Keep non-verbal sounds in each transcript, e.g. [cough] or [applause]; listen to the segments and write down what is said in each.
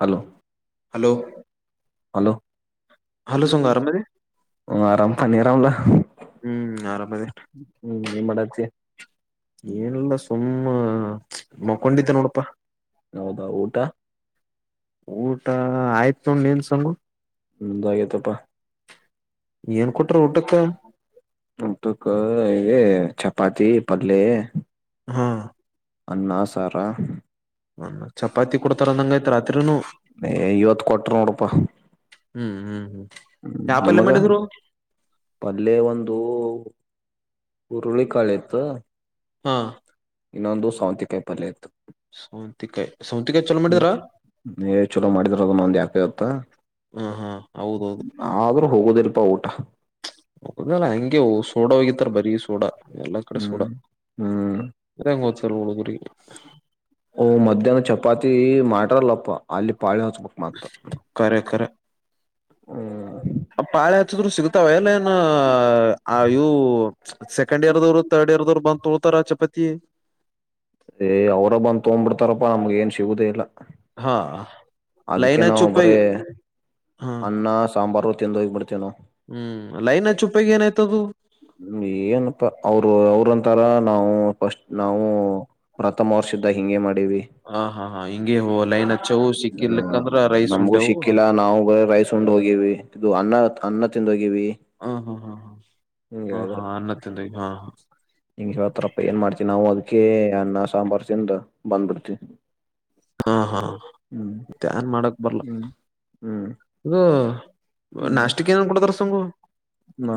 Hello hello hello hello ಸಂಗ ಆರಾಮದಿ ಆರಾಮ ಅರಂಲ್ಲ ಹ್ಮ್ ನಿ ಮಾಡಚ ಏನಲ್ಲ ಸುಮ್ಮ ಮಕೊಂಡಿದ್ದ ನೋಡಪಾ ಹೌದಾ ಊಟ ಊಟ ಆಯ್ತ್ ನೊಂಡ ನ್ ಸಂಂಗ ಹದಾಗೆ ತಪ್ಪ ಏನ್ ಕೊಟ್ರ ಊಟಕ್ಕ ಹ ಕ ಪಾತಿಿ ಪಡ್ಲ ಹಾ ಅನ್ನ ಸಾರ ಅನ್ನ ಚಪಾತಿ ಕೊಡ್ತಾರ ಅಂದಂಗಯ್ತ್ ರಾತ್ರಿನು ಇವತ್ತು ಕೊಟ್ಟ ನೋಡಪ್ಪ ಹ್ಮ್ ಹ್ಮ್ ಹ್ಮ್ ಹ್ಮ್ ಯಾ ಪಲ್ಯ ನಿಮಗ ಮಾಡಿದ್ರು ಪಲ್ಲೇ ಒಂದು ಉರುಳಿ ಕಳತ್ತು ಹಾ ಇನ್ನೊಂದು ಸೌಂತ್ಯಿಕ ಕೈ ಪರ್ಯ ಇತ್ತು ಸೌಂತಿಕಾಯಿ ಸೌಂತಿಕಾಯಿ ಚಲೋ ಮಾಡಿದ್ರ ಚಲೋ ಮಾಡಿದರದ ನೊಂದ ಯಾಕ ಇತ್ತ ಹಾ ಹಾ ಆದ್ರೂ ಹೋಗುದಿರ್ ಪೌಟ ಹೋಗಲ್ಲ ಹಗೆ ಸೋಡ ಹೋಗಿತಾರ ಬರಿೀ ಸೋಡಾ ಎಲ್ಲ ಹ್ಮ್ ಹ್ಮ್ ಓದ್ತಾರ ಹುಡುಗರಿಗೆ ಓ ಮಧ್ಯಾಹ್ನ ಚಪಾತಿ ಮಾಡಟ ಪ್ಪ ಅಲ್ಲಿ ಪಾಳ ಕಖರ ಕರ ಹ್ಮ ಆ ಪಾಳ ಹಚ್ಚಿದ್ರು ಸಿಗ್ತಾವ ಎಲ್ಲ ಏನು ಅ ಇವು ಸೆಕಂಡ್ ಇಯರ್ದವರು ತಡ್ ಇಯರ್ದವ್ ಬಂತ ಉರಾಷ್ಟ್ರಪತಿ ಏ್ ಅವ್ರ ಬಂದ ತೊಂಬ್ಬಿಡ್ತಾರಪ್ಪ ನಮ್ಗ ಏನ್ ಸಿಗುದೇ ಇಲ್ಲ ಹಾ ಅದಕ್ಕೆ ಲೈನ್ ಹಚ್ಚಿ ನಾವು ಬರೇ ಉಪಯೋಗ ಹಾ ಅನ್ನ ಸಾಂಬಾರು ಹೋಗಿಡ್ತೇೋ ಹ್ಮ್ ಲೈನ್ ಚುಪ್ಪಗ ಏನಾಯಯ್ತದು ತರ ನಾವು ಫಸ್ಟ್ ನಾವು ಪ್ರಥಮ ವರ್ಷದ ಹಿಂಗೆ ಮಾಡ ಹ ಹಾ ಹಾ ಹಿಂಗೆ ಹೋ ಲೈನ್ ಹಚ್ಚವು ಸಿಕ್ಕಿರ್ಲಿಕ್ಕಂದ್ರ ರೈಸ್ ನಮಗೂ ಉಂಡೆವು ಹ ಸಿಕ್ಕಿಲ್ಲ ನಾವು ರೈಸ ಉಂಡ್ ಹೋಗಿವವಿ ಇದು ಅನ್ನ ಅನ್ನ್ಣ ತಿಿಂದಿ ಹಾ ಹಾ ಹಾ ಹಾ ಹ ಹಾನ್ನತ್ತಿಂದ ಹಾ [inaudible] ಹಂಗ ಹವತರಪ್ಪ ಏನ್ ಮಾಡ್ತೀವಿ ನಾವು ಅದ ಅದಕೆ ಅನ್ನ ಸಾಂಬಾರ್ ತಿಿಂದ ಬಂದ್ಬಿಡ್ತಿ ಹಾ ಹಾ ನ್ ಮಾಡಕ್ ಬರ್ಲ ಹ್ಮ್ ಇಗ ಹ್ಮ್ ನಾಷ್ಟಿಕ ಏನನ್ ಕೊಡತಾರ ಸಂಗು ನಾ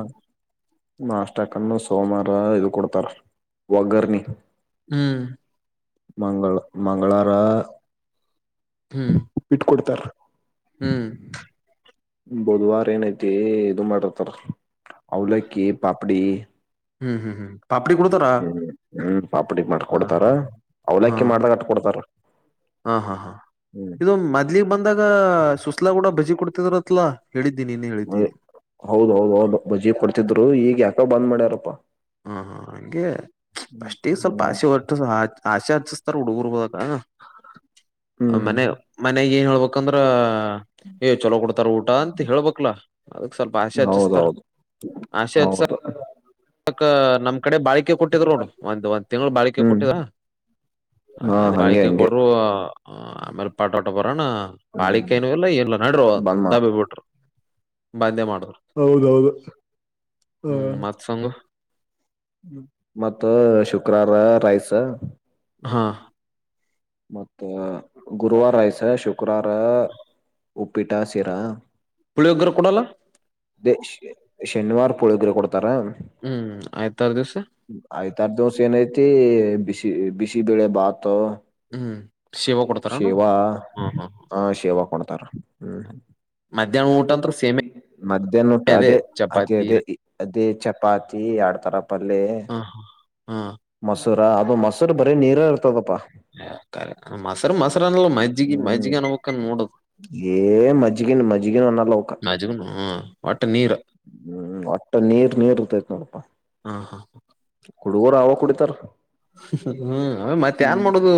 ನಾಷ್ಟಕನ್ನು [inaudible] ಕೊಡ್ತಾರ ಒಗರ್ನಿ ಹ್ಮ್ ಮಂಗಳ ಮಂಗಳಾರ ಹ್ಮ್ ಹ್ಮ್ ಬುಧವಾರ ಏನ ಐತಿ ಏ ಇದು ಮಾಡತಾರ ಅವಲಕ್ಕಿ ಪಾಪಡಿ ಹ್ಮ್ ಹ್ಮ್ ಹ್ಮ್ ಪಾಪಡಿ ಹ್ಮ ಕೊಡ್ತಾರ ಹ್ಮ್ ಪಾಪಡಿಗ್ ಹ ಮಾಡಕೊಡ್ತಾರ ಹಾ ಹಾ ಅವಲಕ್ಕಿ ಮಾಡ್ದಟ್ ಕೊಡ್ತಾರ ಹಾ ಹಾ ಹಾ ಹ್ಮ್ ಇದು ಮದ್ಲಿಗ್ ಬಂದಾಗ ಸುಸ್ಲಾ ಕೂಡ ಬಜಿ ಕೊಡ್ತಿದ್ರತ್ಲಾ ಹೇಳಿದ್ದಿ ನೀನ್ ಹೇಳಿದ್ದಿ ಹೌದ ಹೌದು ಹೌ ಬಜಿ ಕೊಡ್ತಿದ್ರು ಈಗ ಯಾಕ ಬಂದ್ ಮಾಡ್ಯಾರಪ್ಪಾ ಹಾ ಹಾ ಹಂಗೆ ಅಷ್ಟಿಗೆ ಸ್ವಲ್ಪ ಹ್ಮ್ ಆಶೆ ಹೊಟ್ಟ ಆಶೆ ಹಚಸ್ತಾರ ಹುಡುಗರ್ಬದಾಗ ಹ್ಮ್ ಮನೆ ಮನ್ಯಾಗ ಏನ್ ಹೇಳ್ಬೇಕಂದ್ರ ಏ ಚಲೋ ಕೊಡ್ತಾರ ಊಟ ಅಂತ ಹೇಳ್ಬಕ್ಲಾ ಅದಕ್ ಸ್ವಲ್ಪ ಆಸೆ ಹಚ್ಚಿಸ್ತಾರ ಹೌದೌದು ಆಸೆ ಹೌದು ಹಚ್ಚಕ್ [inaudible] ಕಡೆ ಬಾಳಿಕೆ ಕೊಟ್ಟಿದರು ನೋಡ್ ಒಂದ್ ಒಂದ್ ತಿಂಗಳು ಬಾಳಿಕೆ ಹ್ಮ್ ಕೊಟ್ಟಿದ ಹಾ ಅದ ಹಂಗೆ ಬಾಳಿಕೆ ಹಂಗೆ ಕೊಡರುೂ [inaudible] ಣ ಹ್ಮ್ ಬಾಿಕ ನು ಇಲ್ಲ ಏನ್ಲ್ಲ ನಡ್ರರು ಬಂದ್ ದುದ್ದ ಬಿ ಬಿಟ್ರು ಬಂದ್ಯ ಮಾಡ ಹೌದೌದು ಹ್ಮ್ ತಂಗು ಮತ್ತ ಶುಕ್ರಾರ ರೈಸ್ ಹಾ ಮತ್ತೆ ಗುರುವವಾರ ಆಯಸ ಶುಕ್ರವಾರ ಉಪ್ಪಿಟಾ ಸಿರಾ ಪುಳಿ ವಗರ ಕುೂಡಲ್ಲ ಶನಿವಾರ್ ಪುಳಗರೆ ಕೊಡತ ಹ್ಮ್ ಆಯ್ತಾರು ದಿವಸ ತರದೋಸ ಏನಐತಿ ಬಿಸಿ ಬಿಸಿಬಳೆ ಭಾತ ಹ್ಮ್ ಶಿವ ಕೊಡ್ತಾರನು ಶೇವಾ ಹ್ಮ್ ಹ್ಮ್ ಹ ಶೇವಾ ಕೊಣ ತರ ಮಧ್ಯಾಹ್ನ ಹ್ಮ ಊಟ ಅಂತ್ರ ಸೇಮೆ ಮ ಅದೇ ನೋಟ್ಟ ಅದೇ ಅದೇ ಅದೇ ಅದೇ ಚಪಾತಿ ಆಡ್ತರ ಪಲ್ಲೇ ಹ ಹಾ ಮೊಸೂರ ಅದು ಮೊಸೂರ ಬರೀ ನೀರ ಇರ್ತದಪ್ಪಾ ಮೊಸರು ಮೊಸರು ಅನ್ನಲ್ಲ ಮಜ್ಜಿಗೆ ಹ್ಮ್ ಮಜ್ಜಿಗೆ ಅನ್ಬಬೇಕನ್ ನೋಡದು ಏ ಮಜ್ಜಗನ್ ಮಜ್ಜ ಜಗ ಮಜಗನು ಹ ಒಟ್ಟೆ ನೀರು ಹ್ಮ್ ಅಟ್ಟ ನೀರ್ ನೀರ್ತ ಹಾ ಹಾ ಹ ಕುಡುವರ ಆವ ಕುಡತ ಹ್ಮ್ ಅವೇ ಮತ್ತೆ ಏನ್ ಮಾಡುದು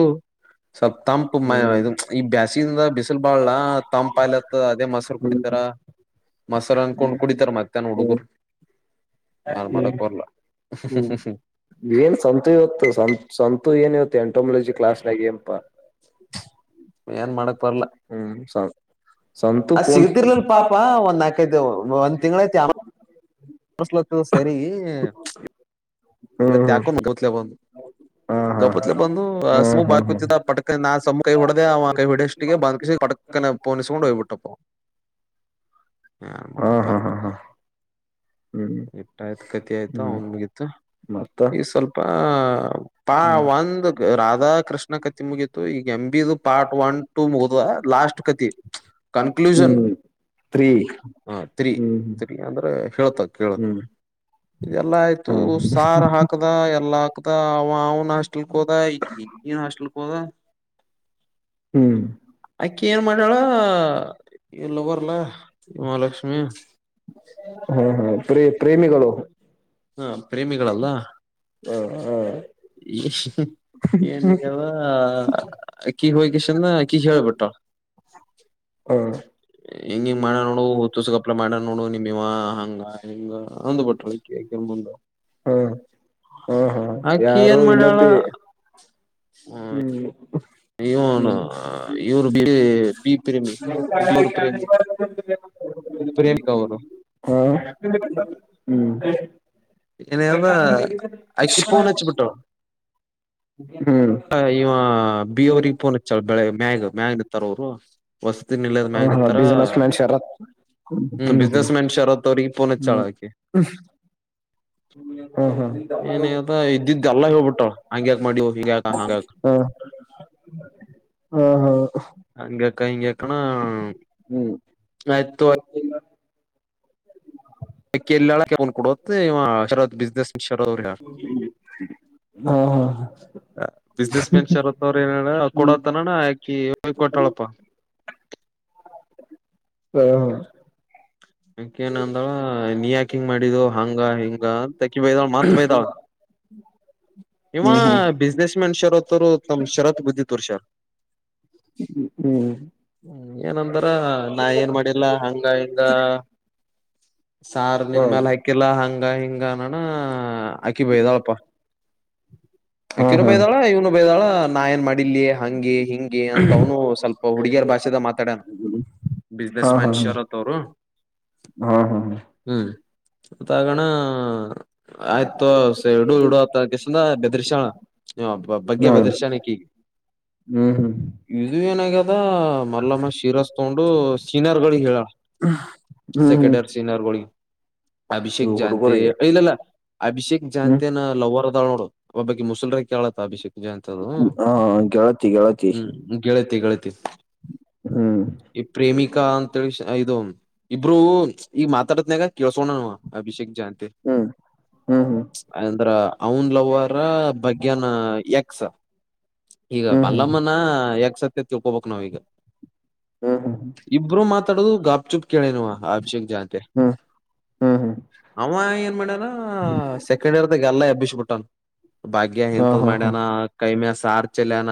ಸ್ವಲ್ಪ್ ತಂಪ ಮ ಹ್ಮ್ ಈ ಬ್ಯಾಸಿಂದ ಬಿಸಿಲ್ ಬಾಳಳ ತಂಪ ಆಯ್ಲತ್ ಅದೇ ಮೊರು ಹ್ಮ್ ಕುಡಿತಾರ ಮೊರ್ ಅನ್ಕೊಂಡ್ ತಾನ ಹ್ಮ್ ಹುಡುಗರು ನ ಮಾಡಕ್ ಬರ್ಲ್ಲ ಏನ್ ಸಂತು ಇವತ್ತು ಸಂತು ಏನ್ವತ್ತೆ ಎಂಟೊಮಾಲಜಿ ಕ್ಲಾಸ್ ನಾಗ ಏಪಾ [unintelligible] ಏನ್ ಮಾಡಕ್ ಬರ್ಲ ಸಂತು ಅದ ಸಿಗತಿರ್ಲಲ್ ಕುಂತ್ ಪಾಪ ಒಂದ್ ನಾಕೈತೆ ಒ ತಿಂತ್ಯಾಮ ಮನಸಲತದ ಸರಿ ಇಲ್ಲ ಹ್ಮ್ ಹ್ಮ್ ಕೊಂಡ ಗತ್ ಬಂದು ಹಾ ಹಾ ಗಪತ್ಲೆ ಬಂದು ಹ್ಮ್ ಸು ಬಾ ಹ್ಮ್ ಕೂತಿದ್ದ ಹ್ಮ್ ಪಟಕ ನಾ ಸಮಮ್ಮ ಕೈ ಹೊಡೆದೆ ಅವ ಕೈ ಹೊಡಷ್ಟಿಗೆ ಬ ಕ ಪಟಕನ ಪೋನಿಸ್ಕೊಂಡು ಹೋಗ್ಬಿಟ್ಟಪ್ಪ ಯನ್ ಹಾ ಮಾಡಕ್ ಹಾ ಬರ್ಲ್ಲ ಹಾ ಹಾ ಹ್ಮ್ ಇಟ್ಟ ಆಯ್ತು ಕತಿ ಆಯ್ತು ಹ್ಮ್ ಅವನ್ ಮುಗಿತ್ತು ಮತ್ತ ಈ ಸ್ವಲ್ಪ ಪಾ ಹ್ಮ್ ಒಂದಗ ರಾಧಾ ಕೃಷ್ಣ ಕತ್ತಿ ಮುಗಿಯತು ಈಗ ಎ ಬಿ ಪಾರ್ಟ್ ಒನ್ ಟ ಮುಗ ಲಾಸ್ಟ್ ಕತಿ ಕನ್ಕ್ಲೂಷನ್ ಹ್ಮ್ ತ್ರೀ ಹ ಹ್ಮ್ ಅಂದ್ರೆ ಹಳ್ತ ಕೇಳ ಹ್ಮ್ ಇದೆಲ್ಲಾ ಆಯ್ತು ಹ್ಮ್ ಹ್ಮ್ ಹಾರ ಹಾಕದ ಎಲ್ಲ ಆಕ್ದ ಆವಾ ಅವ್ನ ಹಾಸ್ಟಲ್ಕೋದ ಇಕಿ ಇಕಿ ಹಾಸ್ಟಲ್ಕೋದ ಹ್ಮ್ ಅಕ್ಕಿ ಏನ್ ಮಾಡಾಳ ಏ ಲವರ್ ಅಲ್ಲ ಮಹಾಲಕ್ಷ್ಮಿ ಹ ಪ್ರೇ ಪ್ರೇಮಿಗಳು ಹಾ ಪ್ರೇಮಿಗಳಲ್ಲ ಹ ಹ ಏನ್ಗೆಲ್ವಾ ಅಕೀ ಹೋಗಿ ಶಂದ ಅಕೀ ಹೇಳ್ಬಟ್ಳ ಹ ಹಿಂಗಿಂಗ ಮಾಡ ನೋಡು ಹುತ್ತುಸ್ಗ್ಯಾಪ್ಲೈ ಮಾಡ್ಯಾನೋಡು ನಿಮ ಇವ ಹಂಗ ಹಿಂಗ ಅಂದ್ ಬಿಟ್ಟಳು ಅಕಿಗ್ ಬಂದ ಹ ಹ ಹಾ ಆ ಕೀ ಯಾರು ಏನ್ ಮಾಡ್ಯಾಳ ಇನ್ನೊಬ್ಬಿ ಹ್ಮ ಹ್ಮ್ ಇವ್ನು ಹ್ಮ್ ಇವ್ನು ಬೀ ಪೀ ಪ್ರೇಮಿ ಪ್ರೇಮಿಕಾವರು ಹಾ ಹ್ಮ್ ಅಕಿ ಫೋನಚ್ಬಿಟ್ಠಳ ಹ್ಮ್ ಹ ಇವ ಬಿ ಅವ್ರಿಗೆಫೋನ್ ಚಳ ಬೆಳಗ್ ಮ್ಯಾಗ ಮ್ಯಾಗ ನಿ ತಾರೋರು ಅವ್ರು ವಸ್ತಿ ಹಾ ಬಿಜ್ನೆಸ್ಮ್ಯನ್ ಶರತ ಹ್ಮ್ ಹ್ಮ ಬಿಸ್ನೆಸ್ ಮ್ಯಾನ್ ಶರತ್ ಅವ್ರಿಗೆ ಫೋನ್ ಹಚ್ಚಾಳ ಹ್ಮ ಆಕಿ ಹ್ಮ ಏನದ ಇದ್ದಿದ್ದ ಎಲ್ಲ ಹೇಳ್ಬಿಟ್ಟ್ಳ ಹಾಂಗ್ಯಾಕ್ ಮಾಡಿಯೋ ಹಿಂಗ್ಯಾಕ್ ಹಂಗೆ ಅದು ಹಾ ಹಾ ಹಂಗ್ಯಾಕ್ ಹಿಂಗ್ಯಾಕ್ ನ ಹ್ಮ್ ಆಯತ್ತುಗೊ ಅಕ್ಕೆಲ್ಲಾ ಕೊಡತ್ತೆ ಇವಾ ಶರತ್ ಬಿಸ್ನೆಸ್ ಅವ್ರ ಹೇಳ್ಯಾರ್ ಹಾ ಹಾ ಬಿಸ್ನೆಸ್ ಮ್ಯಾನ್ ಶರತ್ ಅವ್ರ ಏನ ಕೊಡತನಾನ ಅಕಿ ಹ ಕೊಟಾಳಪ್ಪ ಹಾ ಹಾ ಹ್ಮ್ ಅಕೇನ ಅಂದಳ ನೀ ಯಾಕ ಹಿಂಗ ಮಾಡಿದೋ ಹಂಗ ಹಿಂಗ ಅಂತಕಿ ಬೈ್ದಾಳ ಮತ್ ಬೈ್ದಾಳ ಇವ ಹ್ಮ್ ಬಿಸ್ನೆಸ್ ಮ್ಯಾನ್ ಶರತ್ ಅವರು ತಮ್ಮ್ ಶರತ್ ಬುದ್ಧಿಿ ತೋರ್ಷರ ಹ್ಮ್ ಹ್ಮ ಏನಂತಾರ ನಾ ಏನ್ ಮಾಡಿಲ್ಲ ಹಂಗ ದ ಸಾರ್ ನಿನ್ ಹ್ಮ್ ಮ್ಯಾಲ ಹಾಕಿಲ್ಲಾ ಹಂಗ ಹಿಂಗನಣ ಅಕಿ ಬೈದಳ ಪ ಹಾ ಅಕಿನು ಹಾ ಬೈ್ದಾಳ ಇವ್ನು ಬೈ್ದಾಳ ನಾ ಏನ್ ಮಾಡಿಲ್ಲೆ ಹಂಗೆ ಹಿಂಗೇ ಅಂತ ಅವನು ಸ್ವಲ್ಪ ಹುಡುಗಿಯರ ಭಾಷೆದ ಮಾತಾಡ್ಯಾನ ಹಾ ಬಿಸ್ನೆಸ್ ಹಾ ಮ್ಯಾನ್ ಹಾ ಶರತ್ [inaudible] ಹಾ ಹ್ಮ್ ಹ್ಮ್ ಮತ್ತ ಆಗಣ ಆಯ್ತು ಎರಡು ಎರಡು ಹತ್ತಕಸದ ಬೆದರ್ಶಣ ನೀಬ್ಬ ಬಗ್ಗೆ ಬೆದರ್ಶಾಣಕ್ಕೆೀಗೆ ಹ್ಮ್ ಹ್ಮ್ ಹ್ಮ್ ಇದು ಏನಾಗ [inaudible] ಮಲ್ಲಮ್ಮ ಶಿರಸ್ ತಗೊಂಡು ಸೀನಿಯರ್ ಗಳಿಗೆ ಹೇಳಳ ಹ್ಮ್ ಸೆಕೆಂಡರ್ ಸೀನಿಯರ್ ಗೋಲ್ಡ್ ಹ ಅಭಿಷೇಕ್ ಇವು ಜಾನ್ಂತೆ ಹುಡುಗರಿಗೆ ಇಲ್ಲಲ್ಲ ಅಭಿಷೇಕ್ ಹ್ಮ್ ಜಾನತೆ ನ ಲವರ್ ಬ್ಬ ಮುಸಲ್ರ ಆ ಅಭಿಷಕ್ ನಿಜ ಅಂತ ಹಾ ಗೆಳತಿ ಗೆಳತಿ ಹ್ಮ್ ಗೆಳತಿ ಗೆಳತಿ [inaudible] ಹ್ಮ್ ಈ ಪ್ರೇಮಿಕ ಕಾಂತ ಇದು ಇಬರುೂ ಈಗ ಮಾತಾಡತ್ನಾಗ ಕೇಳಸಕೋಣನು ಅಭಿಷೇಕ್ ಜಾಂತ ಹ್ಮ್ ಹ್ಮ್ ಅಂದ್ರ ನ್ ಲವರ ಬಗ್ನ ಎಕ್ಸ್ ಈಗ ಹ್ಮ್ ಹ್ಮ್ ಬಲ್ಲಮ್ಮನ ಯಾಕ್ಸ ಚೊಕೋ ಬಕ್ನ ಆಗ ಹ್ಮ್ ಹ್ಮ್ ಇಬ್ಬರು ಮಾತ್ರ ತಡ ಗಪ್ ಚುಿ ಕೆಳನು ಅಭಿಷೇೇಕ ಜಂತೆ ಹ್ಮ್ ಹ್ಮ್ ಹ್ಮ್ ಹ್ಮ್ ಹ ಮಾಡ ಸೆಕೆಂಡ್ ಇಯರ್ದಾಗ ಅಲ್ಲ ಅಬ್ಬಿಸಬುಟ್ಟನ್ ಭಾಗ್ಯ ಹಾ ಇಂತದ್ ಹಾ ಹಾ ಮಾಡ್ಯನ ಕೈಮೆ ಸಾರ್ ಚಲಾನ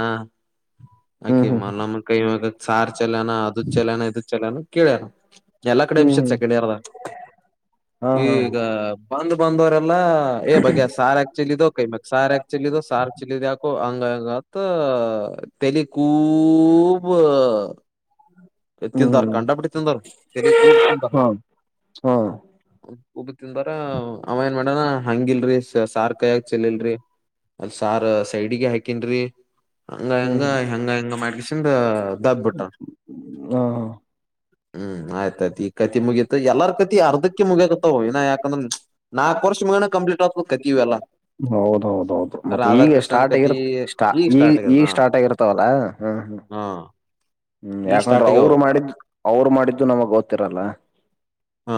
ಹ್ಮ್ ಹ್ಮ್ ಆಕೆಮ್ಮ ನಮ್ಮ ಕೈವಾಗ ಸಾರ್ ಚಲನ ಅದು ಚಲನ ಇದದು ಚಲನ ಕೇಳಾರ ಎಲ್ಲಾ ಕಡೆ ಹ್ಮ್ ಎಬ್ಸನ್ ಹ್ಮ್ ಸೆಕೆಂಡ್ ಇಯರ್ ಹಾ ಹಾ ಈಗ ಬಂದ ಬಂದರ ಎ ಬಗೆ ಸಾರ್ ಆಕ್ಚುಲಿ ಕೈ ಮ ಸಾರ್ಕ್ಚು ಲ ಸಾರ್ಕ್ಚ್ಚಿಲಿ ಆಕೋ ಅಂಗ ಅಂಗ ಅ ತಲ್ಲಿಖೂಬ ತಿಂತಾರ ಹ್ಮ್ ಕಂಡಪಟ್ಟ ತಿಿಂದರು ತಿಾರ ಹಾ ಹಾ ಊಬ ತಿಿಂದಾರ ಆಮ ನ್ ಮಾಡಣ ಹಂಗಿಲ್ರಿ ಸಾರ್ ಕೈ ಹಾಕ ಚಲಲ್ರರಿ ಅಲ್ ಸಾರ್ ಸೈಡ್ಿಗೆ ಹಾಕನ್ರಿ ಹಂಗ ಹೆಂಗ ಹ್ಮ್ ಹೆಂಗ ಹೆಂಗ ಮಾಡ್ಕಸಿಂದ ದಬ್ಬಿಟ್ಟ ಹಾ ಹಾ ಹ್ಮ್ ಆಯ್ತಾಯಯ್ತ ಈ ಕತಿ ಮುಗೀತ ಎಲ್ಲಾರ ಕತಿ ಅರ್ಧಕ್ಕೆ ಮುಗಿಯಕತ್ತವ ಇಾ ಯಾಕಂದ್ರ ನಾಕಕ್ ವರ್ಷ ಮುಗೋಣ ಕಂಪ್ಲೀಟ್ ಆ ಕತೀವಿಲ್ಲ ಹೌದೌದೌದು ಮತ್ತೆ ಈಗ ಸ್ಟಾರ್ಟ್ ಕತಿ ಆಗಿ್ಟಾ ಈಗ ಸ್ಟಾರ್ಟ್ ಆಗ್ಯದ ಈಗ ಹಾ ಸ್ಟಾರ್ಟ್ ಆಗಿರ್ತವಲ್ಲ ಹ್ಮ್ ಹ್ಮ್ ಹಾ ಹ್ಮ್ ಈಗ ಯಾಕಂದ್ರೆ ಸ್ಟಾರ್ಟ್ ಆಗ್ಯಾವ ಅವ್ರು ಮಾಡಿದ್ ಅವ್ರು ಮಾಡಿದ್ದು ನಮಗ್ ಗೊತ್ತಿರಲ್ಲ ಹಾ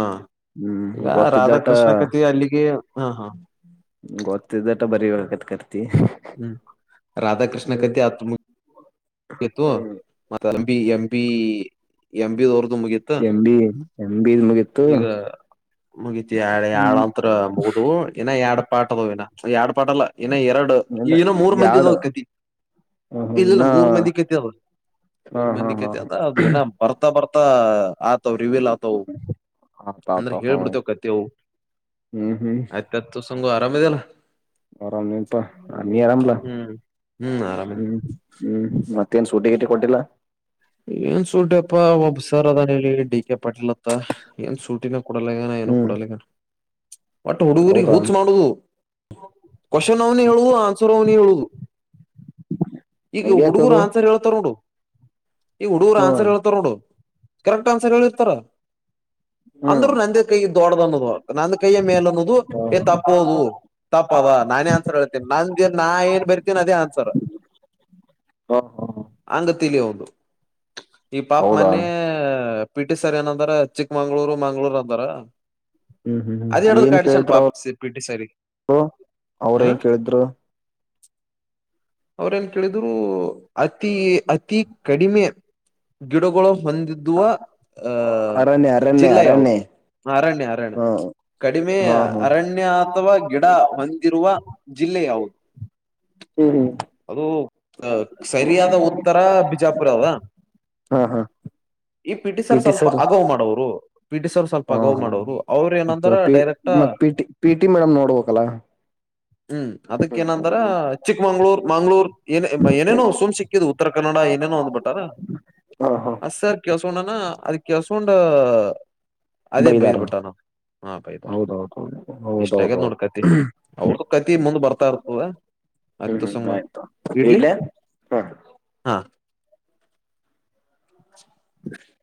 ಹ್ಮ್ ಈಗ ಗೊತ್ತಿದ್ದಟ ರಾಧಾಕೃಷ್ಣ ಕಥೆ ಅಲ್ಲಿಗೆ ಹಾ ಹಾ ತಿಳಿತೋಟ ಬರಿ ಪಟ್ ಪಟ್ ಹ್ಮ್ ರಾಧಾಕೃಷ್ಣ ಹ್ಮ್ ಕತೆ ಆತ ಹೇ ತೊ ಮತ್ತ MB MB M B M B ನು ಮುಗಿತು ಮುಗಿತು ಯಾಡು ಅಂತ್ರು ಮುಗುದುವು ಇನಾ ಯಾಡ್ ಪಾಠ ಅದಾವ ಇನಾ ಯಾಡಪ ಪಾಡಲ್ಲ ಇನಾ ಎರಡ ಹೇ ಇನಾ ಮೂರು ಮಂದಿದ ಅದ ಕತಿ ಹೂ ಹೂ ಇನಾ ಹ ಊರ್ ಮಂದಿ ಕತಿ ಅದ ಅದುಏನ ಬರ್ತಾ ಬರ್ತಾ ಫಹಾ ಆತಾವ ರಿವೇಲ್ ಆತಾವು ಆತ ಅಂದ್ರ ಆತ ಹ ಹೇಳ್ಬಿಡ್ತೇವ್ ಕತಿ ಅವು ಹ್ಮ್ ಹೂ ಆರಾಮ ಅದಿಯಲ್ಲ ಆರಾಮ ಇನಿ ಪಾ ನೀನು ಆರಾಮ ಲಾ ಹ್ಮ್ ಹ್ಮ್ ಆರಾಮ ಹೂ ಹೂ ಮಾತ್ ಮತ್ತ್ ಏನ್ ಸುಟಿ ಗೀಟಿ ಕೊಟ್ಟಿಲ್ಲ ಏನ್ ಸೂಟಿ ಅಪ್ಪಾ ಒಬ್ಬ ಸರ್ ಅದಾನ ಇಲ್ಲಿ ಡಿ ಕೆ ಪಾಟೀಲ್ ಅಂತ ಏನ್ ಸೂಟಿನ ಕೊಡಲ್ಲಗ್ಯಾನ ಏನು ಹ್ಮ್ ಕೊಡಲ್ಲಗ್ಯಾನ ಒಟ್ಟ ಹುಡುಗರಿಗೆ ಹೌದಾ ಹುಚ್ಚ್ ಮಾಡುದು ಕೋಶನ್ ಅವನೇ ಹೇಳುದು ಆನ್ಸರ್ ಅವನೇ ಹೇಳುದು ಈಗ ಈ ಹುಡುಗರು ಹಂಗ್ಯಾಕದು ಆನ್ಸರ್ ಹೇಳ್ತಾರ ನೋಡು ಈ ಹುಡುಗರು ಹ್ಮ ಆನ್ಸರ್ ಹೇಳ್ತಾರ ನೋಡು ಕರೆಕ್ಟ್ ಆನ್ಸರ್ ಹೇಳಿರ್ತಾರ ಹ್ಮ್ ಅಂದ್ರರು ನಂದೇ ಕೈ ದ್ವಾಡದು ಅನ್ನೋದು ವಾ ನಂದ ಕೈಯ ಮೇಲ ಅನ್ನೋದು ಏ ತಪ್ಪೋದು ತಪ್ಪವ ನಾನೇ ಆನ್ಸರ್ ಹೇಳ್ತೇನಿ ನಂದೇನ್ ನಾ ಏನ್ ಬರೀತೀನಿ ಅದೇ ಆನ್ಸರ್ ಹ ಹ ಹಂಗ ತಲಿ ಅವಂದು ಈ ಪಾಪ ಹೌದಾ ಮನ್ನೆಯ ಪಿಟಿ ಸರ್ ಏನಂದಾರ, - ಚಿಕ್ಕ ಮಂಗಳೂರು, ಮಂಗಳೂರು ಅಂತಾರ ಹ್ಮ್ ಹ್ಮ್ ಅದೆ ಹ್ಮ್ ಇಡದು ಏನ್ ಕಾಡಿಸ್ಯಾನ ಕೇಳಿದ್ರ ಪಾಪ ಪಿಟಿ ಸರ್ ಗಿ. ಅವರು ಅವ್ರ ಹೂ, ಏನ್ ಕೇಳಿದ್ರು - ಅವ್ರೇನ್ ಕೇಳಿದ್ರು ಅತಿ, ಅತಿ- ಕಡಿಮೆ ಗಿಡಗಳು. - ಹೊಂದಿದ್ದುವ. ಆಹ್ ಅರಣ್ಯ ಅರಣ್ಯ ಜಿಲ್ಲೆ ಯಾವುದು ಅರಣ್ಯ ಅರಣ್ಯ, ಅರಣ್ಯ, ಹಾ ಕಡಿಮೆ ಹಾ ಹಾ ಅರಣ್ಯ ಅಥವಾ ಗಿಡ ಹೊಂದಿರುವ ಜಿಲ್ಲೆ ಯಾವುದು. ಹ್ಮ್ ಅದು ಹಾ, ಸರಿಯಾದ ಉತ್ತರ ಬಿಜಾ- ಅಪರಾಧ ಹಾ ಹಾ ಈ ಪಿ ಟಿ ಸರ್ ಸ್ವಲ್ಪ ಹಗವ್ ಮಾಡೋರು. ಪಿ ಟಿ ಸರ್ ಸ್ವಲ್ಪ ಹ ಹಗವ್ ಮಾಡೋರು. ಅವರು ಮತ್ತ ಏನಂತರ ಪಿ ಡೈರೆಕ್ಟ್- ಮತ್ P T P T madam ನೋಡ್ಬೇಕಲ್ಲ ಹ್ಮ್, ಅದಕ್ಕ ಏನಂದಾರ ಚಿಕ್ಕಮಂಗ್ಳೂರ, ಮಂಗಳೂರು ಏನ್ ಏನೇನೋ ಸುಳ್ಸಿಕ್ಕಿದ್ ಉತ್ತರ ಕನ್ನಡ ಏನೇನೋ,,, ಹಾ ಹಾ - ಅಸರ್ ಕೆಳ್ಸ್ಕೊಂಡನ ಅದ ಕೆಳ್ಸ್ಕೊಂಡ ಅದೇ ಬೈದಾರ ಬೈದ್ಬಿಟ್ಟಾನ. -ಹಾ ಬೈದ ಹೌದೌದೌದು ಇಷ್ಟ ಆಗ್ಯದ್ ನೋಡ ಹೌದೌದೌದು ಕತಿ. ಅವ್ರ್ದು ಕತಿ ಮುಂದ ಬರ್ತಾ ಇರ್ತದ. ಹ್ಮ್ ಅದ್ಕ ಹ್ಮ್ ಸುಮ್ ಆಯ್ತು ಇಡ್ಲಿ ಇಡ್ಲೆ ಹ್ಮ್ ಹಾ,, [inaudible] [inaudible]